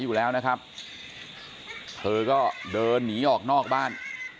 อยู่แล้วนะครับเธอก็เดินหนีออกนอกบ้าน